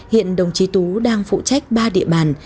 hiện đồng chí tú đang phụ trách ba địa bàn